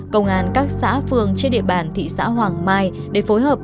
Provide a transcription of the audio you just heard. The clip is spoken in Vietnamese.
công an các xã phường trên địa bàn thị xã hoàng mai để phối hợp